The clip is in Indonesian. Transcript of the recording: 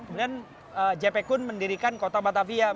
kemudian jephekun mendirikan kota batavia